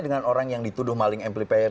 dengan orang yang dituduh maling emplipair